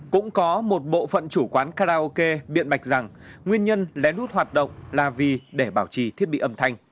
cũng có một bộ phận chủ quán karaoke biện bạch rằng nguyên nhân lé nút hoạt động là vì để bảo trì thiết bị âm thanh